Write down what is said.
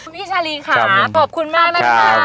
พี่ชาลีค่ะขอบคุณมากนะคะ